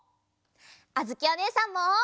あづきおねえさんも！